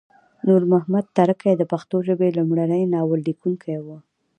نور محمد ترکی د پښتو ژبې لمړی ناول لیکونکی وه